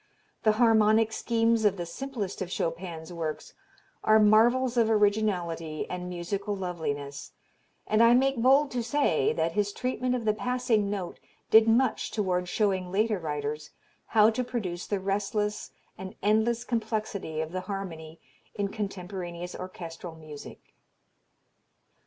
... The harmonic schemes of the simplest of Chopin's works are marvels of originality and musical loveliness, and I make bold to say that his treatment of the passing note did much toward showing later writers how to produce the restless and endless complexity of the harmony in contemporaneous orchestral music."